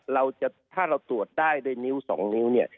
ถ้าเราตรวจได้ด้วยนิ้ว๒นิ้วเนี่ย